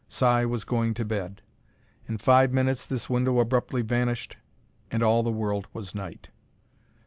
Si was going to bed. In five minutes this window abruptly vanished, and all the world was night.